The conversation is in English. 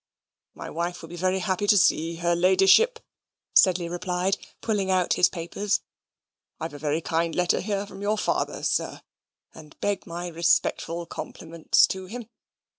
"My wife will be very happy to see her ladyship," Sedley replied, pulling out his papers. "I've a very kind letter here from your father, sir, and beg my respectful compliments to him.